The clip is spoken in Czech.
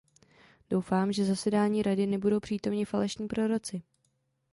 Doufám, že zasedání Rady nebudou přítomni falešní proroci.